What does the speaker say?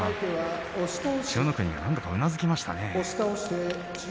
千代の国なんとか突きましたね。